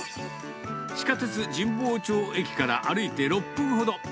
地下鉄神保町駅から歩いて６分ほど。